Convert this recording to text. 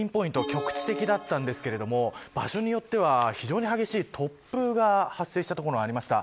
局地的だったんですけど場所によっては非常に激しい突風が発生した所もありました。